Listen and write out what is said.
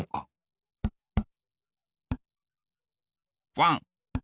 ワン。